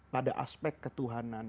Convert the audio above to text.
pada aspek ketuhanan